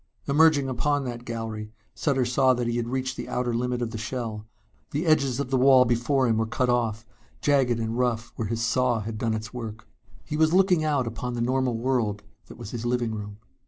Emerging upon that gallery, Sutter saw that he had reached the outer limit of the shell. The edges of the wall before him were cut off, jagged and rough, where his saw had done its work. He was looking out upon the normal world that was his living room.